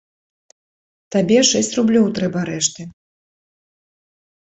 Табе шэсць рублёў трэба рэшты.